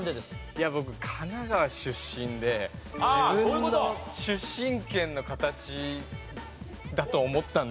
いや僕神奈川出身で自分の出身県の形だと思ったんですよ。